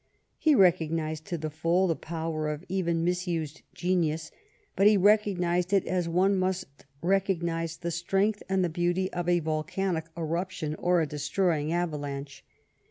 He recognized to the full the power of even misused genius, but he recognized it as one must recog nize the strength and the beauty of a volcanic eruption or a destroying avalanche.